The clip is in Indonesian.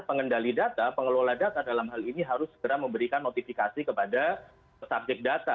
pengendali data pengelola data dalam hal ini harus segera memberikan notifikasi kepada subjek data